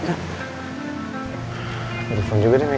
kamu gak perlu ngakuin ini dina